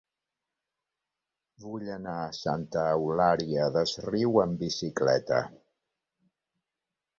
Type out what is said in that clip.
Vull anar a Santa Eulària des Riu amb bicicleta.